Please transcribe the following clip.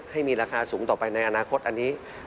ให้มีราคาสูงต่อไปในอนาคตอันนี้